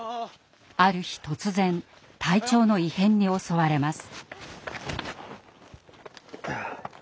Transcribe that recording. ある日突然体調の異変に襲われます。